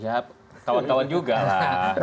ya kawan kawan juga lah